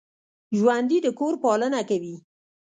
ژوندي د کور پالنه کوي